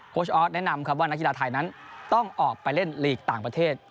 ชออสแนะนำครับว่านักกีฬาไทยนั้นต้องออกไปเล่นลีกต่างประเทศ